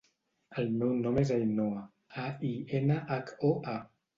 El meu nom és Ainhoa: a, i, ena, hac, o, a.